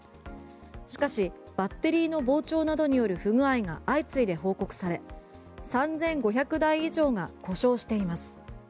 しかしバッテリーの膨張などによる不具合が相次いで報告され３５００台以上が故障しています。